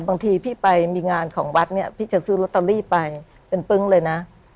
บางทีพี่ไปมีงานของวัดเนี่ยพี่จะซื้อลอตเตอรี่ไปเป็นปึ้งเลยนะ